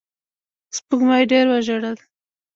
سپوږمۍ ډېر وژړل